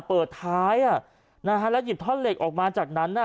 เปิดท้ายอ่ะนะฮะแล้วหยิบท่อเล็กออกมาจากนั้นอ่ะ